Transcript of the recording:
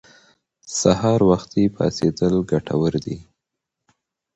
سهار وختي پاڅېدل ګټور دي.